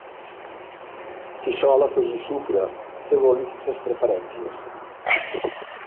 S'hi sol afegir sucre segons les preferències.